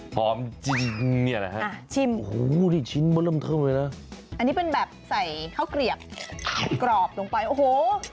หอมนี่อะไรคะอันนี้เป็นแบบใส่ข้าวเกลียบกรอบลงไปโอ้โห